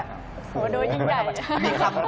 โอ้โฮโดยยิ่งใหญ่